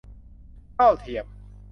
เท่าเทียม